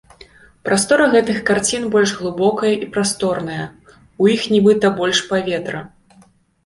Прастора гэтых карцін больш глыбокая і прасторная, у іх нібыта больш паветра.